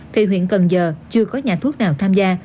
thì huyện cần giờ chưa có nhà thuốc nào tham gia